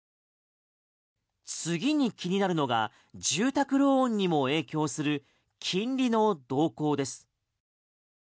次に気になるのが住宅ローンにも影響する金利の動向です。